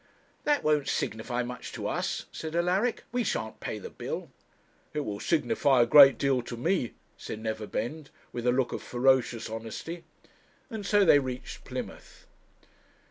'That won't signify much to us,' said Alaric; 'we shan't pay the bill.' 'It will signify a great deal to me,' said Neverbend, with a look of ferocious honesty; and so they reached Plymouth.